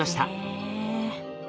へえ。